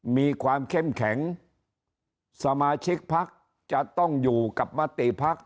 มีความเข้มแข็งสมาชิกพักจะต้องอยู่กับมติภักดิ์